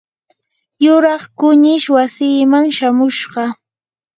yuraq kunish wasiiman chamushqa.